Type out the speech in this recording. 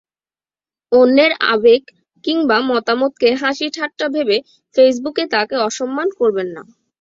অন্যের আবেগ কিংবা মতামতকে হাসিঠাট্টা ভেবে ফেসবুকে তাকে অসম্মান করবেন না।